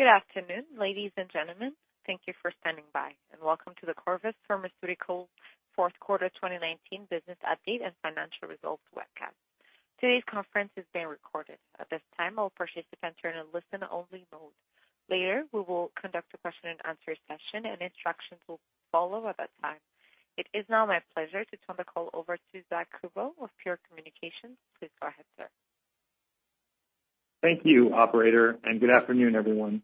Good afternoon, ladies and gentlemen. Thank you for standing by, and welcome to the Corvus Pharmaceuticals fourth quarter 2019 business update and financial results webcast. Today's conference is being recorded. At this time, all participants are in a listen-only mode. Later, we will conduct a question-and-answer session, and instructions will follow at that time. It is now my pleasure to turn the call over to Zack Kubow of Pure Communications. Please go ahead, sir. Thank you, operator, and good afternoon, everyone.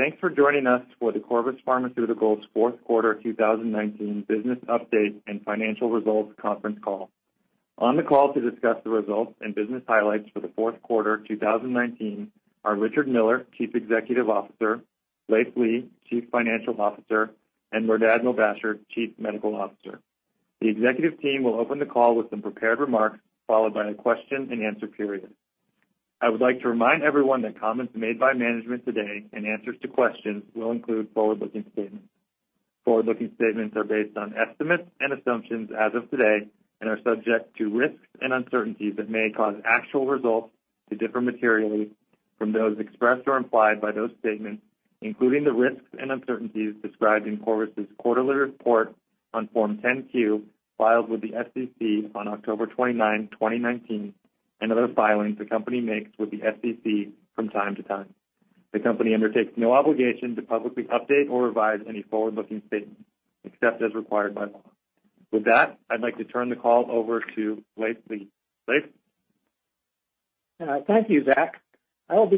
Thanks for joining us for the Corvus Pharmaceuticals fourth quarter 2019 business update and financial results conference call. On the call to discuss the results and business highlights for the fourth quarter 2019 are Richard Miller, Chief Executive Officer, Leiv Lea, Chief Financial Officer, and Mehrdad Mobasher, Chief Medical Officer. The executive team will open the call with some prepared remarks, followed by a question-and-answer period. I would like to remind everyone that comments made by management today and answers to questions will include forward-looking statements. Forward-looking statements are based on estimates and assumptions as of today and are subject to risks and uncertainties that may cause actual results to differ materially from those expressed or implied by those statements, including the risks and uncertainties described in Corvus' quarterly report on Form 10-Q, filed with the SEC on October 29, 2019, and other filings the company makes with the SEC from time to time. The company undertakes no obligation to publicly update or revise any forward-looking statements except as required by law. With that, I'd like to turn the call over to Leiv Lea. Leiv? Thank you, Zack. Then we'll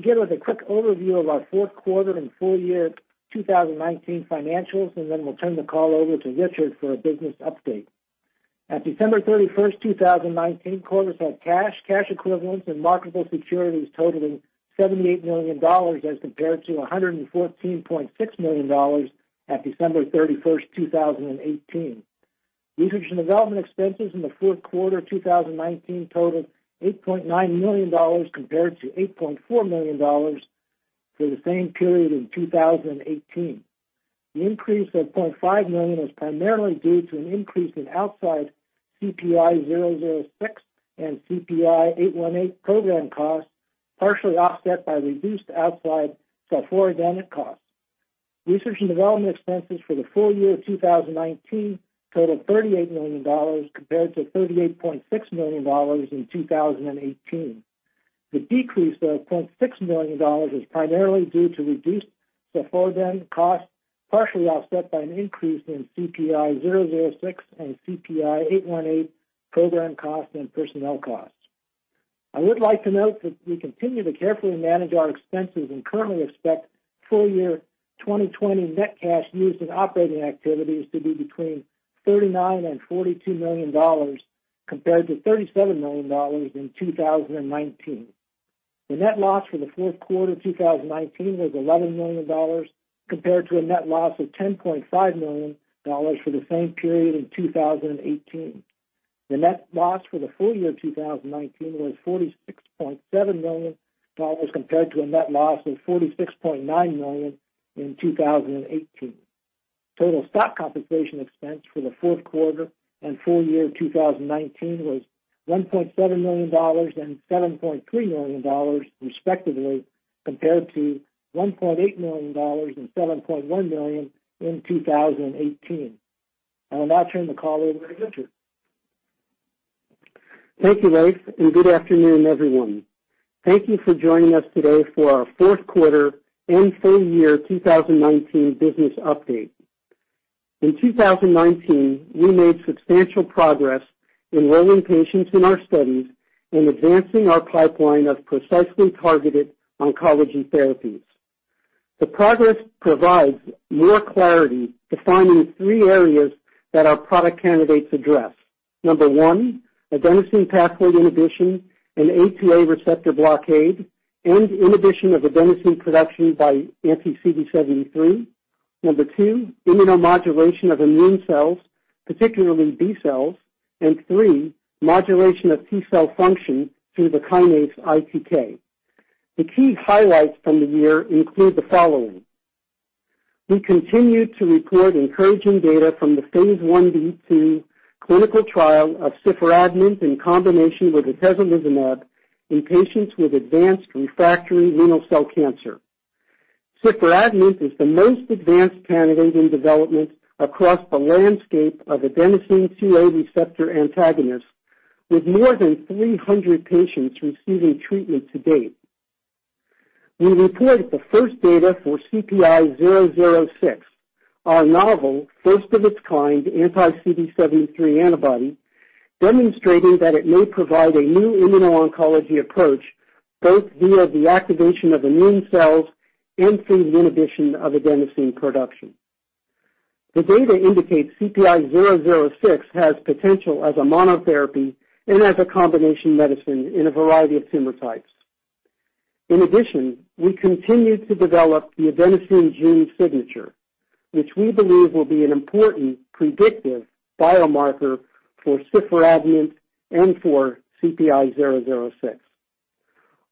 turn the call over to Richard for a business update. At December 31st, 2019, Corvus had cash equivalents, and marketable securities totaling $78 million as compared to $114.6 million at December 31st, 2018. Research and development expenses in the fourth quarter 2019 totaled $8.9 million compared to $8.4 million for the same period in 2018. The increase of $0.5 million was primarily due to an increase in outside CPI-006 and CPI-818 program costs, partially offset by reduced outside ciforadenant costs. Research and development expenses for the full year 2019 totaled $38 million compared to $38.6 million in 2018. The decrease of $0.6 million is primarily due to reduced ciforadenant costs, partially offset by an increase in CPI-006 and CPI-818 program costs and personnel costs. I would like to note that we continue to carefully manage our expenses and currently expect full year 2020 net cash used in operating activities to be between $39 million and $42 million compared to $37 million in 2019. The net loss for the fourth quarter 2019 was $11 million compared to a net loss of $10.5 million for the same period in 2018. The net loss for the full year 2019 was $46.7 million compared to a net loss of $46.9 million in 2018. Total stock compensation expense for the fourth quarter and full year 2019 was $1.7 million and $7.3 million respectively, compared to $1.8 million and $7.1 million in 2018. I will now turn the call over to Richard. Thank you, Leiv. Good afternoon, everyone. Thank you for joining us today for our fourth quarter and full year 2019 business update. In 2019, we made substantial progress enrolling patients in our studies and advancing our pipeline of precisely targeted oncology therapies. The progress provides more clarity defining three areas that our product candidates address. Number one, adenosine pathway inhibition and A2A receptor blockade and inhibition of adenosine production by anti-CD73. Number two, immunomodulation of immune cells, particularly B cells. Three, modulation of T-cell function through the kinase ITK. The key highlights from the year include the following. We continued to report encouraging data from the phase I-B/II clinical trial of ciforadenant in combination with atezolizumab in patients with advanced refractory renal cell cancer. Ciforadenant is the most advanced candidate in development across the landscape of adenosine A2A receptor antagonists, with more than 300 patients receiving treatment to date. We reported the first data for CPI-006, our novel, first-of-its-kind anti-CD73 antibody, demonstrating that it may provide a new immuno-oncology approach, both via the activation of immune cells and through the inhibition of adenosine production. The data indicates CPI-006 has potential as a monotherapy and as a combination medicine in a variety of tumor types. We continued to develop the adenosine gene signature, which we believe will be an important predictive biomarker for ciforadenant and for CPI-006.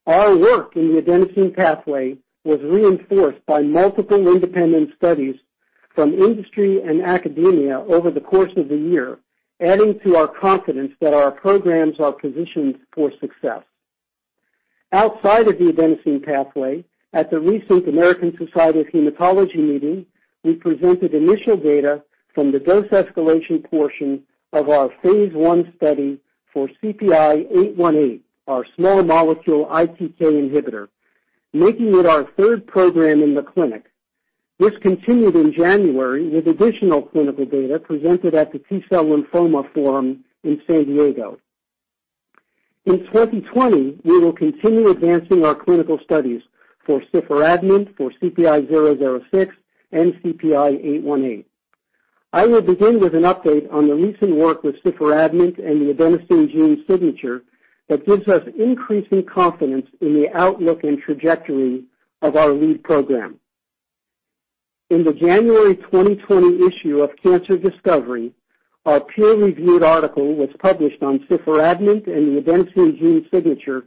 Our work in the adenosine pathway was reinforced by multiple independent studies from industry and academia over the course of the year, adding to our confidence that our programs are positioned for success. Outside of the adenosine pathway, at the recent American Society of Hematology meeting, we presented initial data from the dose escalation portion of our phase I study for CPI-818, our small molecule ITK inhibitor, making it our third program in the clinic. This continued in January with additional clinical data presented at the T-Cell Lymphoma Forum in San Diego. In 2020, we will continue advancing our clinical studies for ciforadenant, for CPI-006, and CPI-818. I will begin with an update on the recent work with ciforadenant and the adenosine gene signature that gives us increasing confidence in the outlook and trajectory of our lead program. In the January 2020 issue of Cancer Discovery, our peer-reviewed article was published on ciforadenant and the adenosine gene signature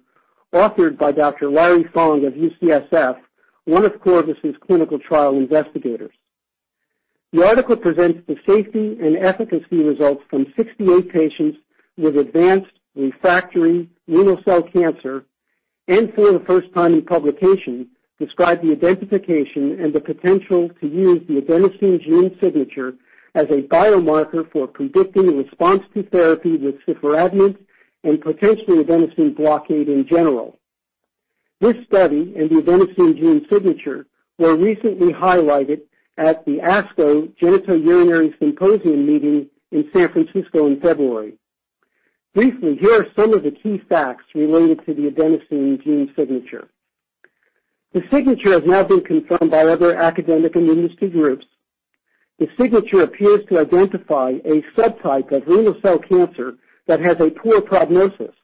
authored by Dr. Larry Fong of UCSF, one of Corvus' clinical trial investigators. The article presents the safety and efficacy results from 68 patients with advanced refractory renal cell cancer and for the first time in publication, describe the identification and the potential to use the adenosine gene signature as a biomarker for predicting response to therapy with ciforadenant and potentially adenosine blockade in general. This study and the adenosine gene signature were recently highlighted at the ASCO Genitourinary Cancers Symposium meeting in San Francisco in February. Briefly, here are some of the key facts related to the adenosine gene signature. The signature has now been confirmed by other academic and industry groups. The signature appears to identify a subtype of renal cell cancer that has a poor prognosis,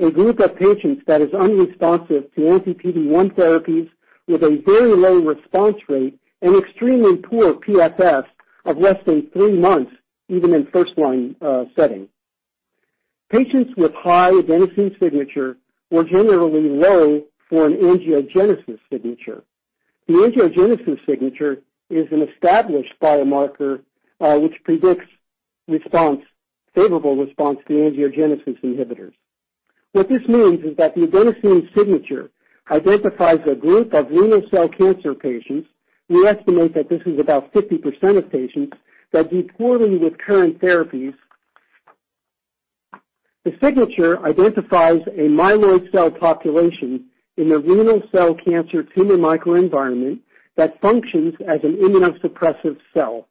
a group of patients that is unresponsive to anti-PD-1 therapies with a very low response rate and extremely poor PFS of less than three months, even in first-line setting. Patients with high adenosine signature were generally low for an angiogenesis signature. The angiogenesis signature is an established biomarker, which predicts favorable response to angiogenesis inhibitors. What this means is that the adenosine signature identifies a group of renal cell cancer patients, we estimate that this is about 50% of patients, that do poorly with current therapies. The signature identifies a myeloid cell population in the renal cell cancer tumor microenvironment that functions as an immunosuppressive cell.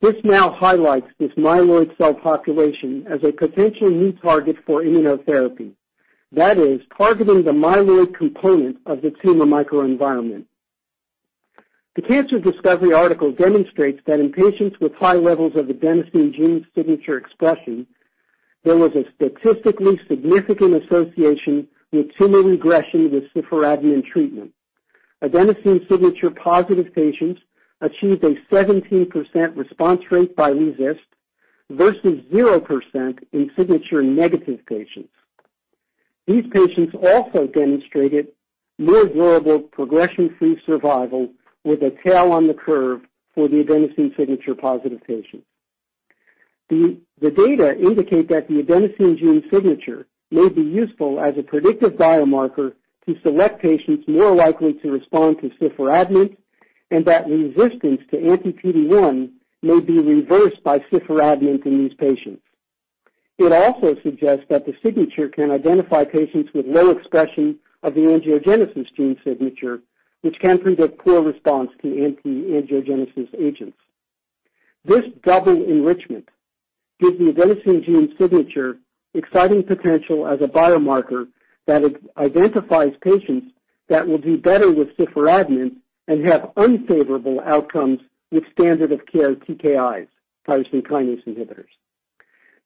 This now highlights this myeloid cell population as a potential new target for immunotherapy. That is, targeting the myeloid component of the tumor microenvironment. The Cancer Discovery article demonstrates that in patients with high levels of adenosine gene signature expression, there was a statistically significant association with tumor regression with ciforadenant treatment. Adenosine signature-positive patients achieved a 17% response rate by RECIST versus 0% in signature-negative patients. These patients also demonstrated more durable progression-free survival with a tail on the curve for the adenosine signature-positive patients. The data indicate that the adenosine gene signature may be useful as a predictive biomarker to select patients more likely to respond to ciforadenant, and that resistance to anti-PD-1 may be reversed by ciforadenant in these patients. It also suggests that the signature can identify patients with low expression of the angiogenesis gene signature, which can predict poor response to anti-angiogenesis agents. This double enrichment gives the adenosine gene signature exciting potential as a biomarker that identifies patients that will do better with ciforadenant and have unfavorable outcomes with standard of care TKIs, tyrosine kinase inhibitors.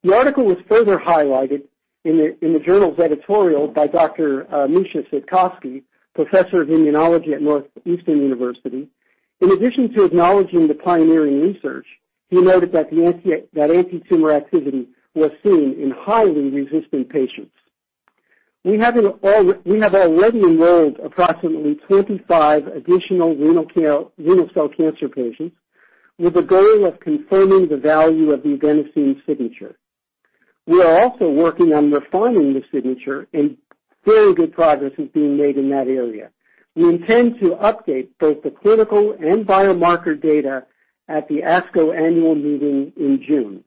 The article was further highlighted in the journal's editorial by Dr. Misha Sitkovsky, professor of immunology at Northeastern University. In addition to acknowledging the pioneering research, he noted that antitumor activity was seen in highly resistant patients. We have already enrolled approximately 25 additional renal cell cancer patients with the goal of confirming the value of the adenosine signature. We are also working on refining the signature, and very good progress is being made in that area. We intend to update both the clinical and biomarker data at the ASCO annual meeting in June.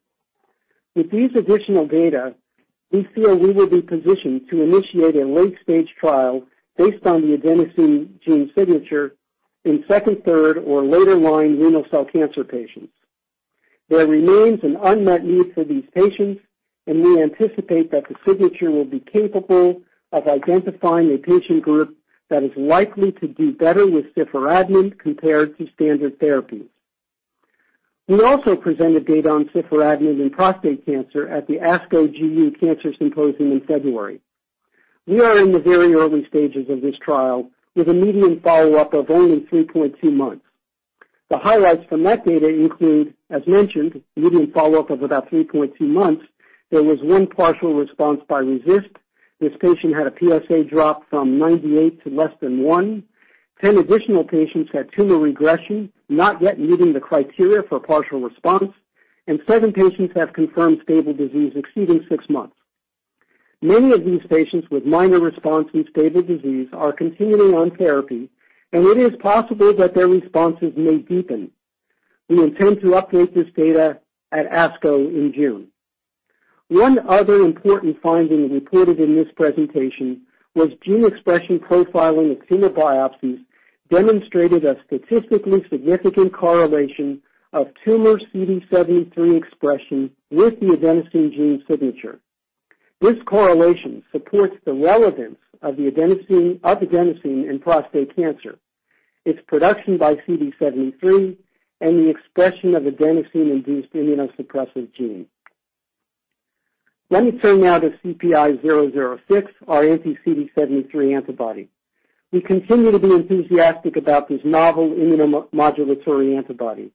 With these additional data, we feel we will be positioned to initiate a late-stage trial based on the adenosine gene signature in second, third, or later-line renal cell cancer patients. There remains an unmet need for these patients, and we anticipate that the signature will be capable of identifying a patient group that is likely to do better with ciforadenant compared to standard therapies. We also presented data on ciforadenant in prostate cancer at the ASCO GU Cancers Symposium in February. We are in the very early stages of this trial with a median follow-up of only 3.2 months. The highlights from that data include, as mentioned, median follow-up of about 3.2 months. There was one partial response by RECIST. This patient had a PSA drop from 98 to less than one. 10 additional patients had tumor regression, not yet meeting the criteria for partial response, and seven patients have confirmed stable disease exceeding six months. Many of these patients with minor response and stable disease are continuing on therapy, and it is possible that their responses may deepen. We intend to update this data at ASCO in June. One other important finding reported in this presentation was gene expression profiling of tumor biopsies demonstrated a statistically significant correlation of tumor CD73 expression with the adenosine gene signature. This correlation supports the relevance of adenosine in prostate cancer, its production by CD73, and the expression of adenosine-induced immunosuppressive gene. Let me turn now to CPI-006, our anti-CD73 antibody. We continue to be enthusiastic about this novel immunomodulatory antibody.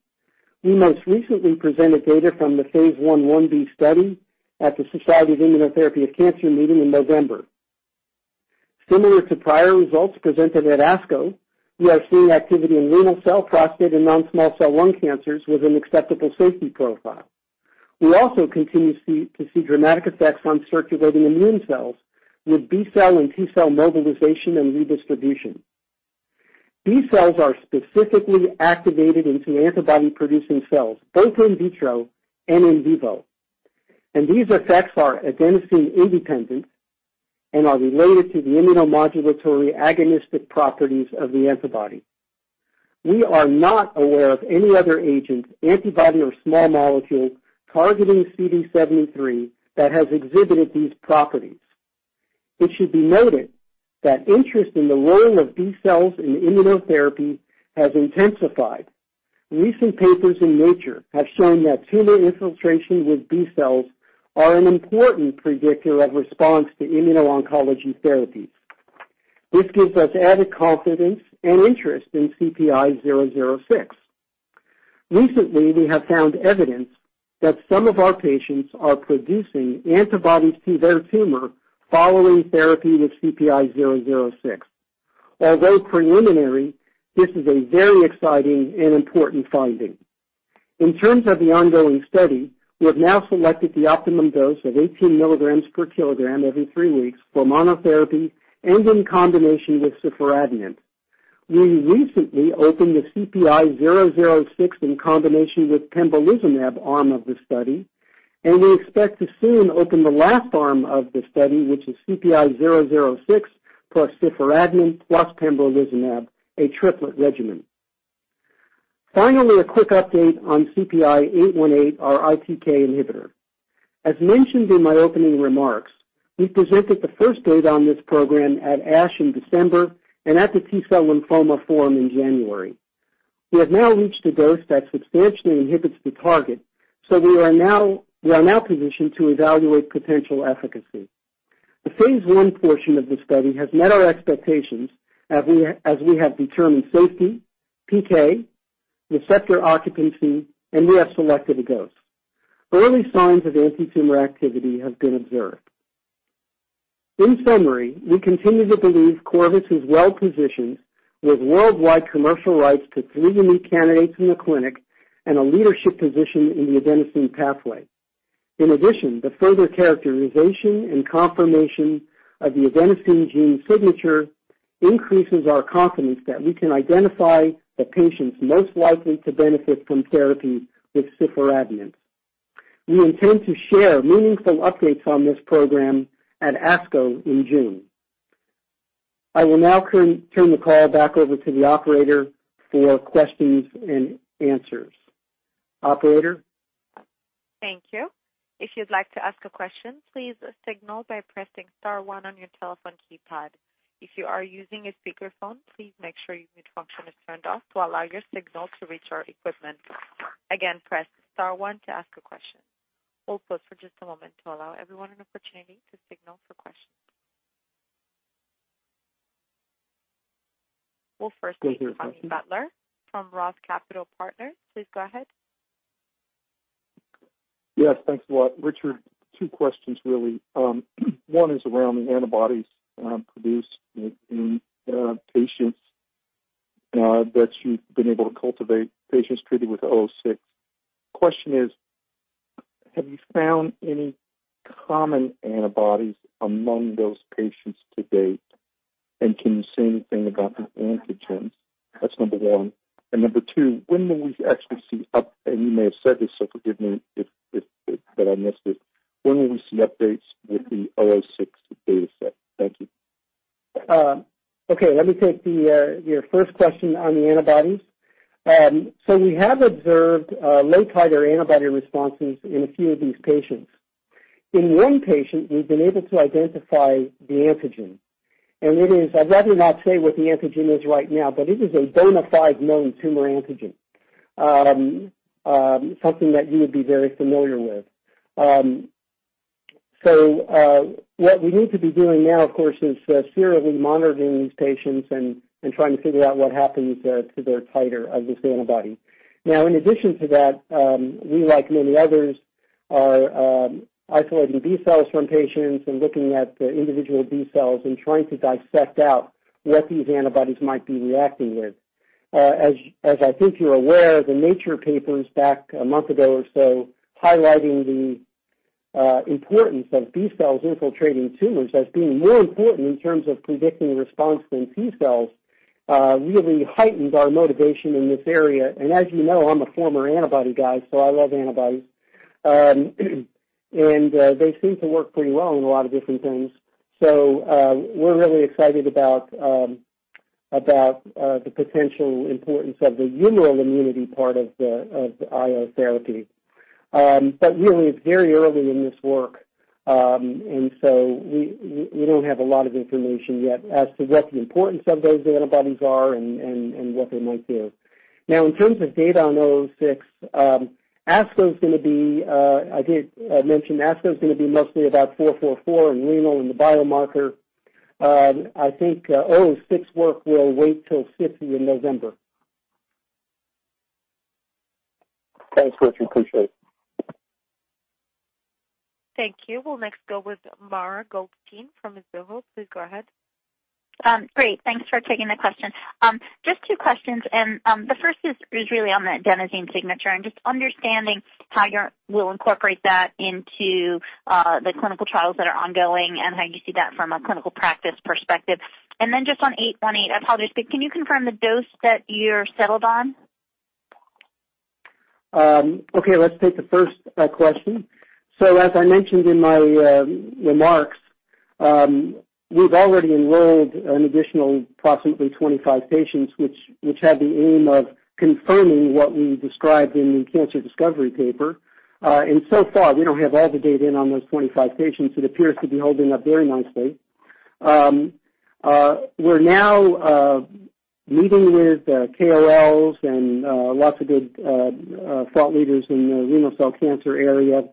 We most recently presented data from the phase I/I-B study at the Society for Immunotherapy of Cancer meeting in November. Similar to prior results presented at ASCO, we are seeing activity in renal cell, prostate, and non-small cell lung cancers with an acceptable safety profile. We also continue to see dramatic effects on circulating immune cells with B-cell and T-cell mobilization and redistribution. B-cells are specifically activated into antibody-producing cells, both in vitro and in vivo. These effects are adenosine independent and are related to the immunomodulatory agonistic properties of the antibody. We are not aware of any other agent, antibody, or small molecule targeting CD73 that has exhibited these properties. It should be noted that interest in the role of B-cells in immunotherapy has intensified. Recent papers in Nature have shown that tumor infiltration with B-cells are an important predictor of response to immuno-oncology therapies. This gives us added confidence and interest in CPI-006. Recently, we have found evidence that some of our patients are producing antibodies to their tumor following therapy with CPI-006. Although preliminary, this is a very exciting and important finding. In terms of the ongoing study, we have now selected the optimum dose of 18 milligrams per kilogram every three weeks for monotherapy and in combination with ciforadenant. We recently opened the CPI-006 in combination with pembrolizumab arm of the study, and we expect to soon open the last arm of the study, which is CPI-006 plus ciforadenant plus pembrolizumab, a triplet regimen. Finally, a quick update on CPI-818, our ITK inhibitor. As mentioned in my opening remarks, we presented the first data on this program at ASH in December and at the T-Cell Lymphoma Forum in January. We have now reached a dose that substantially inhibits the target, so we are now positioned to evaluate potential efficacy. The phase I portion of the study has met our expectations as we have determined safety, PK, receptor occupancy, and we have selected a dose. Early signs of anti-tumor activity have been observed. In summary, we continue to believe Corvus is well-positioned with worldwide commercial rights to three immune candidates in the clinic and a leadership position in the adenosine pathway. In addition, the further characterization and confirmation of the adenosine gene signature increases our confidence that we can identify the patients most likely to benefit from therapy with ciforadenant. We intend to share meaningful updates on this program at ASCO in June. I will now turn the call back over to the operator for questions and answers. Operator? Thank you. If you'd like to ask a question, please signal by pressing star one on your telephone keypad. If you are using a speakerphone, please make sure mute function is turned off to allow your signal to reach our equipment. Again, press star one to ask a question. We'll pause for just a moment to allow everyone an opportunity to signal for questions. We'll first take Tony Butler from ROTH Capital Partners. Please go ahead. Yes, thanks a lot. Richard, two questions really. One is around the antibodies produced in patients that you've been able to cultivate, patients treated with 006. Question is, have you found any common antibodies among those patients to date, and can you say anything about the antigens? That's number one. Number two, when will we actually see updates, and you may have said this, so forgive me that I missed it. When will we see updates with the 006 data set? Thank you. Okay, let me take your first question on the antibodies. We have observed low titer antibody responses in a few of these patients. In one patient, we've been able to identify the antigen, and it is, I'd rather not say what the antigen is right now, but it is a bona fide known tumor antigen. Something that you would be very familiar with. What we need to be doing now, of course, is serially monitoring these patients and trying to figure out what happens to their titer of this antibody. In addition to that, we, like many others, are isolating B-cells from patients and looking at the individual B-cells and trying to dissect out what these antibodies might be reacting with. I think you're aware, the Nature papers back a month ago or so highlighting the importance of B-cells infiltrating tumors as being more important in terms of predicting response than T-cells really heightens our motivation in this area. As you know, I'm a former antibody guy, so I love antibodies. They seem to work pretty well in a lot of different things. We're really excited about the potential importance of the humoral immunity part of the IO therapy. Really, it's very early in this work. We don't have a lot of information yet as to what the importance of those antibodies are and what they might do. Now, in terms of data on 006, I did mention ASCO is going to be mostly about CPI-444 and renal and the biomarker. I think 006 work will wait till SITC in November. Thanks, Richard. Appreciate it. Thank you. We'll next go with Mara Goldstein from Mizuho. Please go ahead. Great. Thanks for taking the question. Just two questions. The first is really on the adenosine signature and just understanding how you will incorporate that into the clinical trials that are ongoing and how you see that from a clinical practice perspective. Just on 818, can you confirm the dose that you're settled on? Okay, let's take the first question. As I mentioned in my remarks, we've already enrolled an additional approximately 25 patients, which had the aim of confirming what we described in the Cancer Discovery paper. So far, we don't have all the data in on those 25 patients. It appears to be holding up very nicely. We're now meeting with KOLs and lots of good thought leaders in the renal cell cancer area.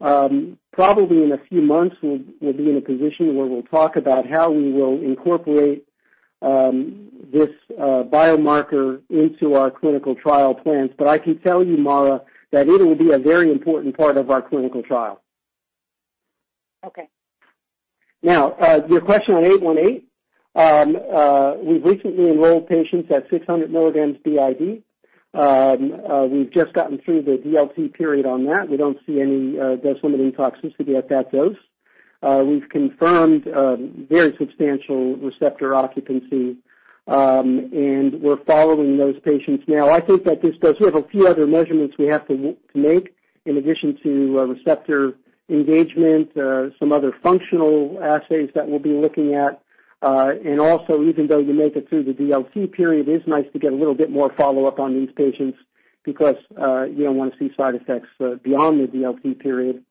Probably in a few months, we'll be in a position where we'll talk about how we will incorporate this biomarker into our clinical trial plans. I can tell you, Mara, that it'll be a very important part of our clinical trial. Okay. Your question on 818. We've recently enrolled patients at 600 milligrams BID. We've just gotten through the DLT period on that. We don't see any dose-limiting toxicity at that dose. We've confirmed very substantial receptor occupancy, we're following those patients now. I think that this does have a few other measurements we have to make in addition to receptor engagement, some other functional assays that we'll be looking at. Even though you make it through the DLT period, it's nice to get a little bit more follow-up on these patients because you don't want to see side effects beyond the DLT period.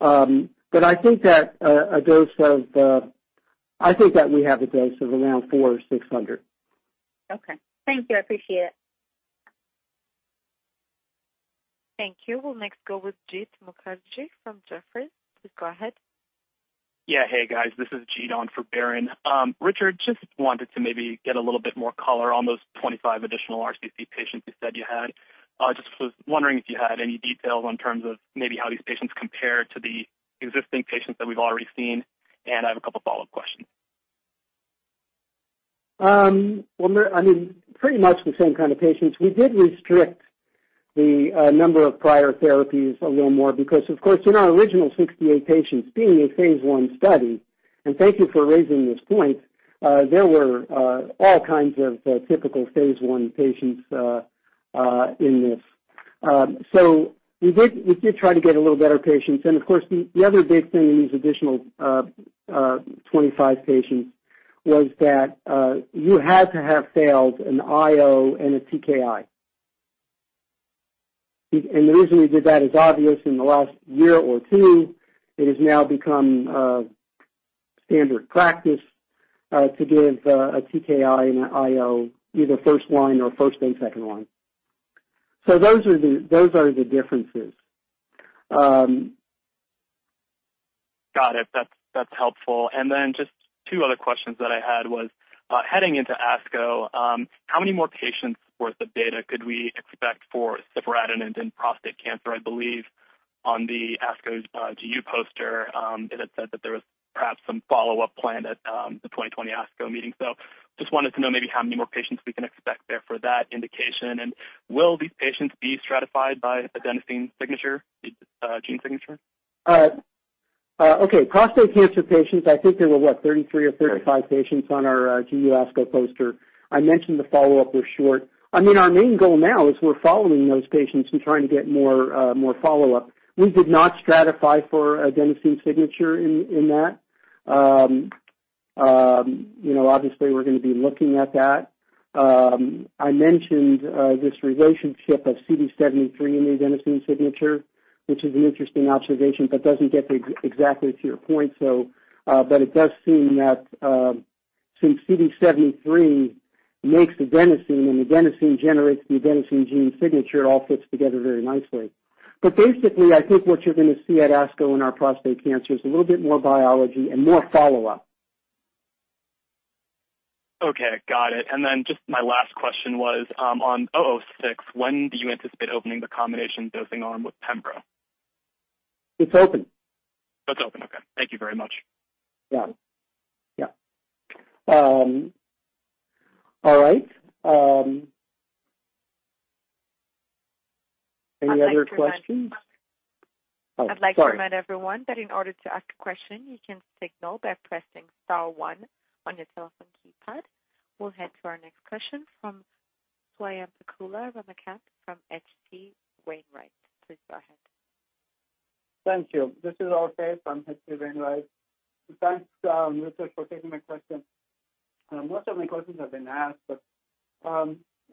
I think that we have a dose of around four or 600. Okay. Thank you. I appreciate it. Thank you. We'll next go with Jeet Mukherjee from Jefferies. Please go ahead. Yeah. Hey, guys. This is Jeet on for Baron. Richard, just wanted to maybe get a little bit more color on those 25 additional RCC patients you said you had. Just was wondering if you had any details in terms of maybe how these patients compare to the existing patients that we've already seen, and I have a couple follow-up questions. Well, I mean, pretty much the same kind of patients. We did restrict the number of prior therapies a little more because, of course, in our original 68 patients being a phase I study, and thank you for raising this point, there were all kinds of typical phase I patients in this. We did try to get a little better patients, and of course, the other big thing in these additional 25 patients was that you had to have failed an IO and a TKI. The reason we did that is obvious in the last year or two, it has now become standard practice to give a TKI and an IO either first line or first and second line. Those are the differences. Got it. That's helpful. Just two other questions that I had was, heading into ASCO, how many more patients worth of data could we expect for ciforadenant and prostate cancer? I believe on the ASCO's GU poster, it had said that there was perhaps some follow-up plan at the 2020 ASCO meeting. Just wanted to know maybe how many more patients we can expect there for that indication, and will these patients be stratified by adenosine signature, gene signature? Okay. Prostate cancer patients, I think there were, what, 33 or 35 patients on our GU ASCO poster. I mentioned the follow-up was short. I mean, our main goal now is we're following those patients and trying to get more follow-up. We did not stratify for adenosine signature in that. Obviously, we're going to be looking at that. I mentioned this relationship of CD73 and the adenosine signature, which is an interesting observation but doesn't get exactly to your point. It does seem that since CD73 makes adenosine and adenosine generates the adenosine gene signature, it all fits together very nicely. Basically, I think what you're going to see at ASCO in our prostate cancer is a little bit more biology and more follow-up. Okay. Got it. Just my last question was on 006. When do you anticipate opening the combination dosing arm with pembro? It's open. It's open. Okay. Thank you very much. All right. Any other questions? I'd like to remind everyone that in order to ask a question, you can signal by pressing star one on your telephone keypad. We'll head to our next question from Swayampakula from H.C. Wainwright. Please go ahead. Thank you. This is Altair] from H.C. Wainwright. Thanks, Richard, for taking my question. Most of my questions have been asked, but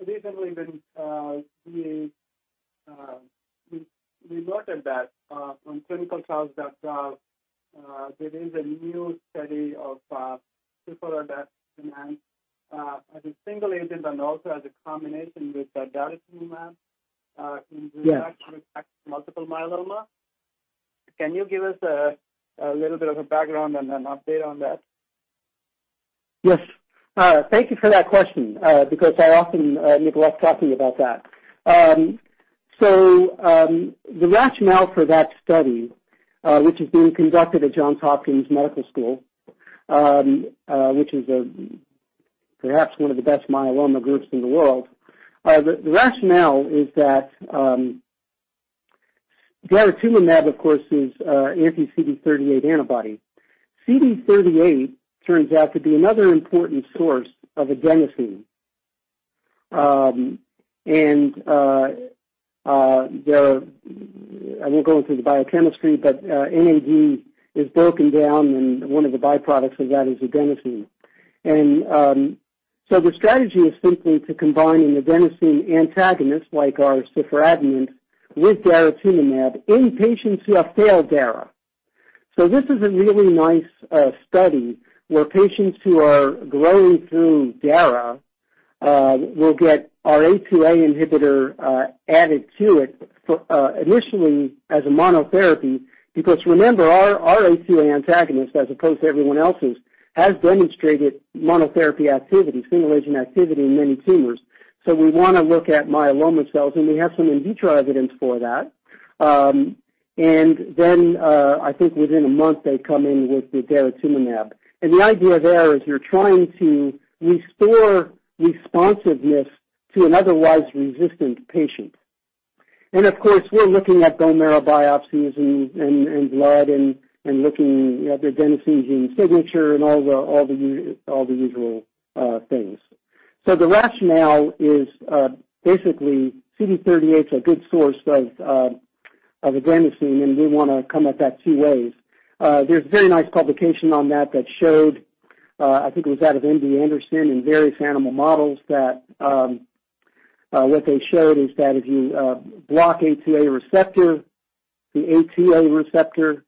recently we noted that on ClinicalTrials.gov, there is a new study of as a single agent and also as a combination with daratumumab. Yes in relapsed/refractory multiple myeloma. Can you give us a little bit of a background and an update on that? Yes. Thank you for that question, because I often neglect talking about that. The rationale for that study, which is being conducted at Johns Hopkins School of Medicine, which is perhaps one of the best myeloma groups in the world. The rationale is that daratumumab, of course, is an anti-CD38 antibody. CD38 turns out to be another important source of adenosine. I won't go into the biochemistry, but NAD is broken down, and one of the byproducts of that is adenosine. The strategy is simply to combine an adenosine antagonist, like our ciforadenant, with daratumumab in patients who have failed dara. This is a really nice study where patients who are going through dara will get our A2A inhibitor added to it initially as a monotherapy. Remember, our A2A antagonist, as opposed to everyone else's, has demonstrated monotherapy activity, single-agent activity in many tumors. We want to look at myeloma cells, and we have some in vitro evidence for that. I think within a month, they come in with the daratumumab. The idea there is you're trying to restore responsiveness to an otherwise resistant patient. Of course, we're looking at bone marrow biopsies and blood and looking at the adenosine gene signature and all the usual things. The rationale is basically CD38's a good source of adenosine, and we want to come at that two ways. There's a very nice publication on that that showed, I think it was out of MD Anderson in various animal models, that what they showed is that if you block A2A receptor, the A2A receptor,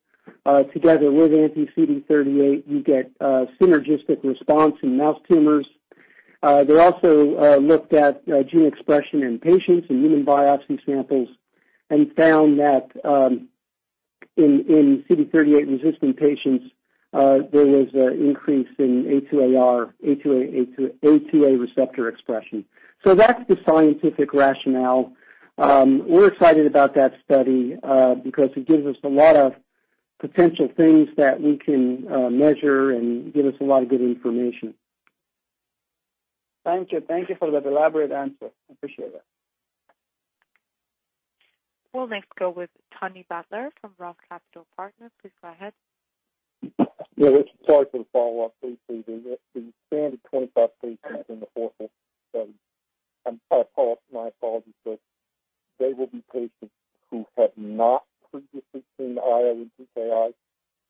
together with anti-CD38, you get a synergistic response in mouse tumors. They also looked at gene expression in patients and human biopsy samples and found that in CD38-resistant patients, there was an increase in A2AR, A2A receptor expression. That's the scientific rationale. We're excited about that study because it gives us a lot of potential things that we can measure and give us a lot of good information. Thank you. Thank you for that elaborate answer. I appreciate it. We'll next go with Tony Butler from ROTH Capital Partners. Please go ahead. Yeah. Sorry for the follow-up. Please say the standard 25 patients in the cohort study, my apologies, but they will be patients who have not previously seen IO and TKI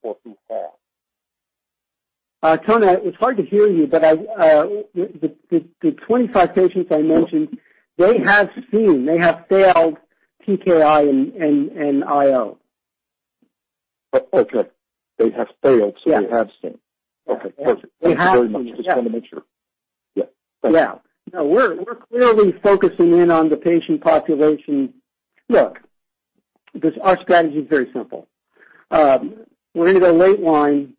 or who have? Tony, it's hard to hear you, but the 25 patients I mentioned, they have failed TKI and IO. Okay. Yeah. They have seen. Okay, perfect. They have. Yeah. Thank you very much. Just want to make sure. Yeah. No, we're clearly focusing in on the patient population. Because our strategy is very simple. We're going to go late line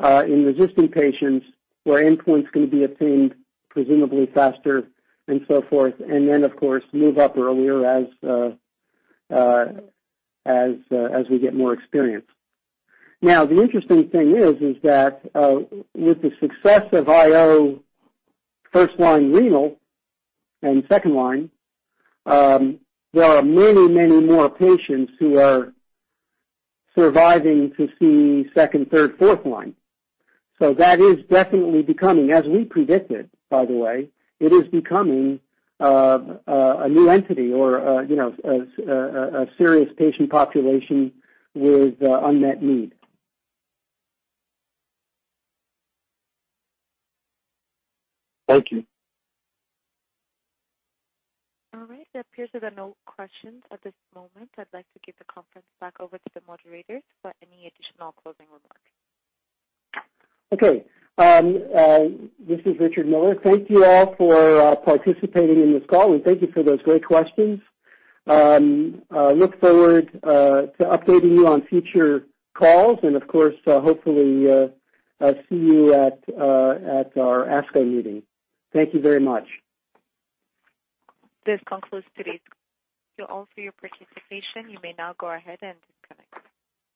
in resistant patients where endpoint's going to be attained presumably faster and so forth, and then, of course, move up earlier as we get more experience. Now, the interesting thing is that with the success of IO first-line renal and second-line, there are many, many more patients who are surviving to see second, third, fourth line. That is definitely becoming, as we predicted, by the way, it is becoming a new entity or a serious patient population with unmet need. Thank you. All right. It appears there are no questions at this moment. I'd like to give the conference back over to the moderators for any additional closing remarks. Okay. This is Richard Miller. Thank you all for participating in this call. We thank you for those great questions. I look forward to updating you on future calls, and of course, hopefully, I'll see you at our ASCO meeting. Thank you very much. This concludes today's call. Thank you all for your participation. You may now go ahead and disconnect.